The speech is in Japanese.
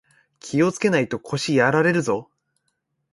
気をつけないと腰やられるぞ